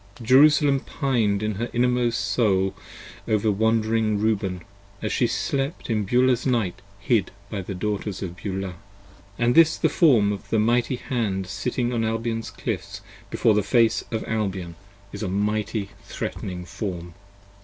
45 Jerusalem pined in her inmost soul over Wandering Reuben 46 As she slept in Beulah's Night hid by the Daughters of Beulah. p. 70 AND this the form of mighty Hand sitting on Albion's cliffs Before the face of Albion, a mighty threat'ning Form.